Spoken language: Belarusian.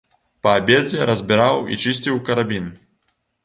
Па абедзе разбіраў і чысціў карабін.